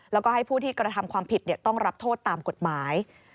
แล้วก็ให้ผู้ที่กระทำความผิดต้องรับโทษตามกฎหมาย